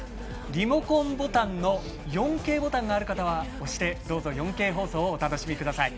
リモコンボタンの４Ｋボタンがある方は押してどうぞ４Ｋ放送をお楽しみください。